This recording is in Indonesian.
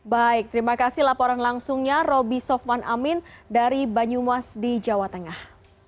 baik terima kasih laporan langsungnya roby sofwan amin dari banyumas di jawa tengah